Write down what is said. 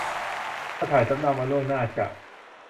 ถ้าถ่ายสำเนามาล่วงหน้าจะ